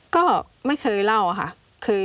ก็ไม่เคยเล่าค่ะ